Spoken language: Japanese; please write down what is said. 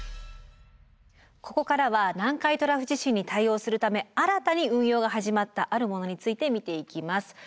ここからは南海トラフ地震に対応するため新たに運用が始まったあるものについて見ていきます。